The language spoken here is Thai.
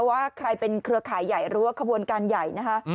ว่าใครเป็นเครือข่ายใหญ่หรือว่าขบวนการใหญ่นะคะ